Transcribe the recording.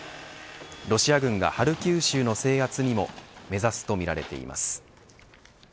ロシア軍がハルキウ州の制圧にも目指すとみられています。